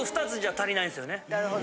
なるほど。